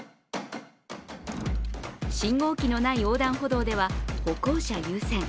信号機のない横断歩道では歩行者優先。